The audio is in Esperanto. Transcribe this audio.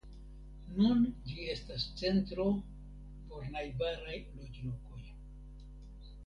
Nun ĝi estas centro por najbaraj loĝlokoj.